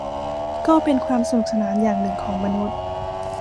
ก็เป็นความสนุนสนานอย่างหนึ่งของมนุษย์